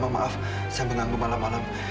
maaf saya menganggu malam malam